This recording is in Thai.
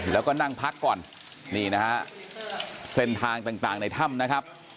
แล้วก็นั่งพักก่อนนี่นะฮะเส้นทางต่างในถ้ำนะครับ